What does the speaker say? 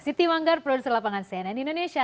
siti manggar produser lapangan cnn indonesia